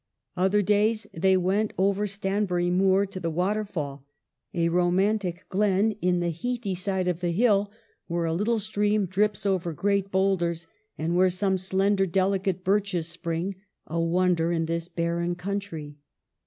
Other days they went over Stanbury Moor to the Waterfall, a romantic glen in the heathy side of the hill where a little stream drips over great boulders, and where some slender delicate birches spring, a wonder in this barren country.